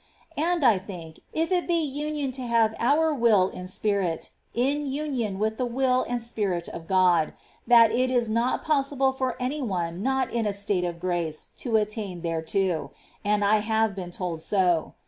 And I think, if it be union to have our will and spirit in union with the will and Spirit of God, that it is not possible for any one not in a state of grace to attain thereto ; and I have been told so.